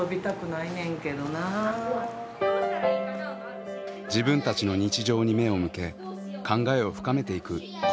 自分たちの日常に目を向け考えを深めていく子どもたち。